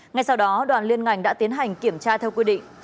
ngay sau đó đoàn liên ngành đã tiến hành kiểm tra theo quy định